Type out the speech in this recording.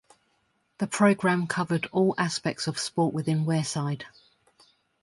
The programme covered all aspects of sport within Wearside.